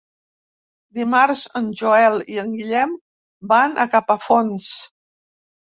Dimarts en Joel i en Guillem van a Capafonts.